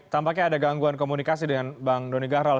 tampaknya ada gangguan komunikasi dengan bang doni gahral